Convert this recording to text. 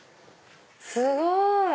すごい！